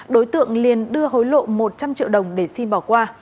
đối tượng liền đưa hối lộ một trăm linh triệu đồng để xin bỏ qua